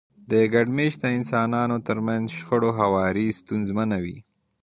د ګډ مېشته انسانانو ترمنځ شخړو هواری ستونزمنه وه.